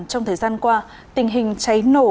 trong thời gian qua tình hình cháy nổ